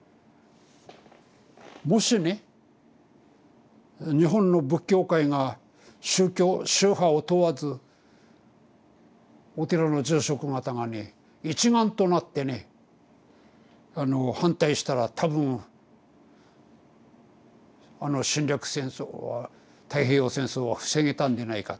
もしね日本の仏教界が宗派を問わずお寺の住職方がね一丸となってね反対したら多分あの侵略戦争は太平洋戦争は防げたんでないかっていう。